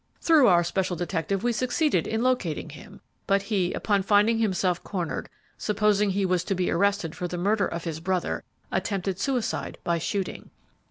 Through our special detective we succeeded in locating him, but he, upon finding himself cornered, supposing he was to be arrested for the murder of his brother, attempted suicide by shooting.